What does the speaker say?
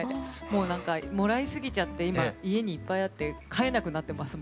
もう何かもらいすぎちゃって今家にいっぱいあって飼えなくなってます